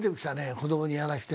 子どもにやらせて。